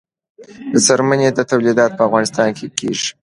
د څرمنې تولیدات په افغانستان کې کیږي